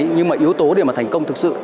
nhưng mà yếu tố để mà thành công thực sự